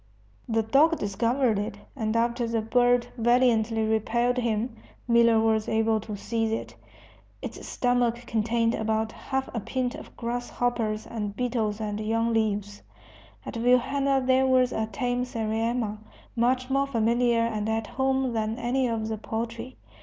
The dog discovered it, and after the bird valiantly repelled him, Miller was able to seize it. Its stomach contained about half a pint of grass hoppers and beetles and young leaves. At Vilhena there was a tame sariema, much more familiar and at home than any of the poultry.